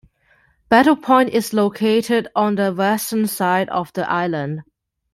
Battle Point is located on the western side of the island.